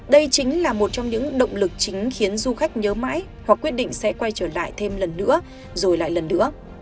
đây chính là một trong những động lực chính khiến du khách nhớ mãi hoặc quyết định sẽ quay trở lại thêm lần nữa rồi lại lần nữa